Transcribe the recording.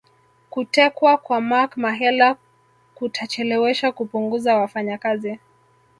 Kutekwa kwa Mark Mahela kutachelewesha kupunguza wafanyakazi